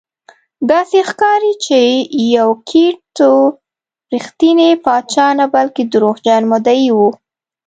داسې ښکاري چې یوکیت ټو رښتینی پاچا نه بلکې دروغجن مدعي و.